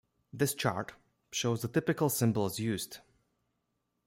This chart shows the typical symbols used.